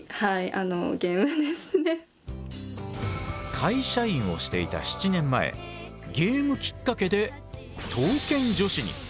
会社員をしていた７年前ゲームきっかけで刀剣女子に。